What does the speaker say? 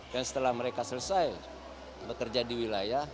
dan setelah mereka selesai bekerja di wilayah